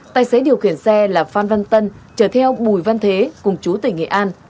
tài xế điều khiển xe là phan văn tân chở theo bùi văn thế cùng chú tỉnh nghệ an